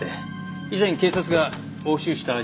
以前警察が押収した実物です。